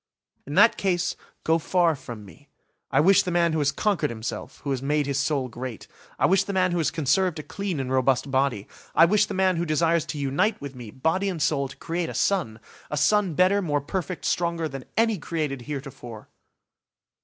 "In that case go far from me. I wish the man who has conquered himself, who has made his soul great. I wish the man who has conserved a clean and robust body. I wish the man who desires to unite with me, body and soul, to create a son! A son better, more perfect, stronger, than any created heretofore!"